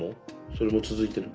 それも続いてる？